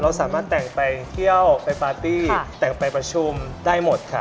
สามารถแต่งไปเที่ยวไปปาร์ตี้แต่งไปประชุมได้หมดค่ะ